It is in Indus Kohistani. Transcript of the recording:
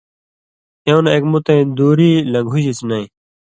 ایوں نہ اک مُتَیں دُوری لںگھوژِس نَیں۔